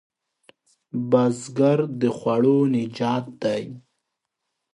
بزګر د خوړو نجات دی